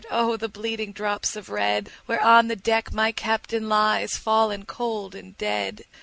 5 O the bleeding drops of red! Where on the deck my Captain lies, Fallen cold and dead.